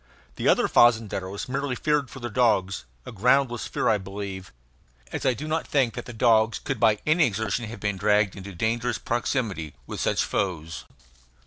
The other fazendeiros merely feared for their dogs; a groundless fear, I believe, as I do not think that the dogs could by any exertion have been dragged into dangerous proximity with such foes.